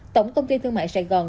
tổng công ty thương mại sài gòn